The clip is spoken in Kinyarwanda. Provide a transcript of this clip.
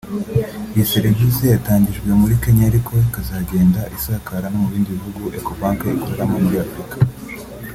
Iyi serivisi yatangijwe muri Kenya ariko ikazagenda isakara no mu bindi bihugu Ecobank ikoreramo muri Afurika